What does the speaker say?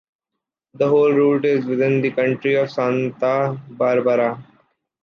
The whole route is within the county of Santa Barbara.